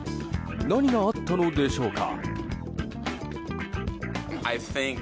何があったのでしょうか。